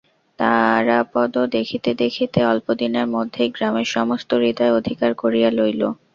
তারাপদ দেখিতে দেখিতে অল্পদিনের মধ্যেই গ্রামের সমস্ত হৃদয় অধিকার করিয়া লইল।